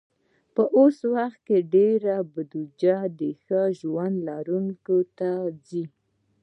په اوس وخت کې ډېری بودیجه د ښه ژوند لرونکو ته ځي.